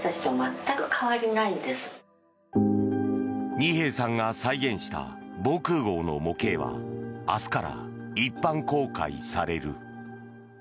二瓶さんが再現した防空壕の模型は明日から一般公開される。